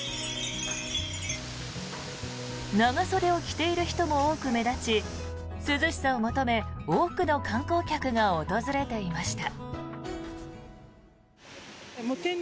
長袖を着ている人も多く目立ち涼しさを求め多くの観光客が訪れていました。